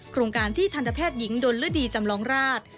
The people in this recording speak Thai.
โครงการที่ทันตแพทย์หญิงดนฤดีจำลองราช